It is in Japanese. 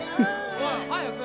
おい早く。